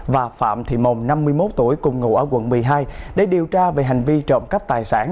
và phạm thị mồng năm mươi một tuổi cùng ngủ ở quận một mươi hai để điều tra về hành vi trộm cắp tài sản